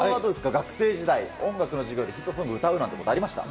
学生時代、音楽の授業でヒットソング歌うなんてことありました？